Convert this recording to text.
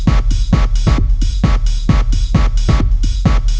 mendingan kamu pergi jauh jauh dari aku